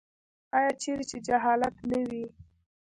آیا چیرې چې جهالت نه وي؟